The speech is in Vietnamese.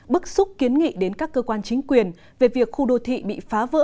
bức xúc kiến nghị đến các cơ quan chính quyền về việc khu đô thị bị phá vỡ